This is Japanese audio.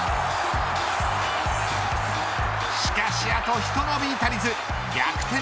しかしあとひと伸び足りず逆転